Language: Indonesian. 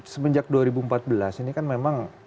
semenjak dua ribu empat belas ini kan memang